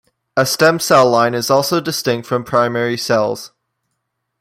A stem cell line is also distinct from primary cells.